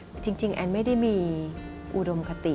แต่จริงแอนไม่ได้มีอุดมคติ